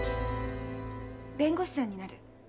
弁護士さんになる。